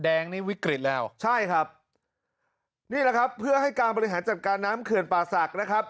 แดงนี่วิกฤตแล้วใช่ครับนี่แหละครับเพื่อให้การบริหารจัดการน้ำเขื่อนป่าศักดิ์นะครับ